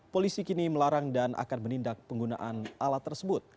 polisi kini melarang dan akan menindak penggunaan alat tersebut